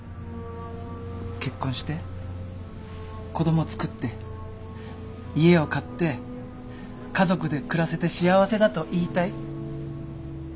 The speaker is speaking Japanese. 結婚して子供作って家を買って家族で暮らせて幸せだと言いたい。